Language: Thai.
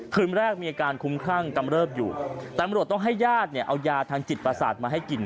คืนแรกมีอาการคุมขั้งตำรวจต้องให้ยาดอย่าทางจิบประสาทมาให้กิน